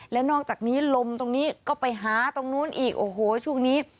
และนอกจากนี้ลมตรงนี้ก็ไปหาตรงนู้นอีกโอ้โหช่วงนี้